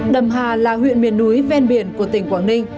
đầm hà là huyện miền núi ven biển của tỉnh quảng ninh